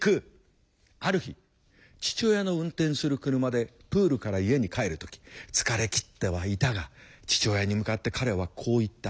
ある日父親の運転する車でプールから家に帰る時疲れきってはいたが父親に向かって彼はこう言った。